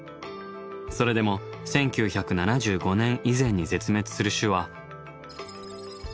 それでも１９７５年以前に絶滅する種は。